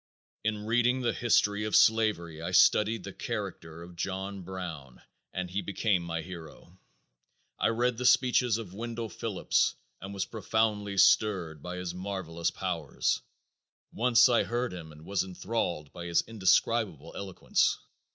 In reading the history of slavery I studied the character of John Brown and he became my hero. I read the speeches of Wendell Phillips and was profoundly stirred by his marvelous powers. Once I heard him and was enthralled by his indescribable eloquence.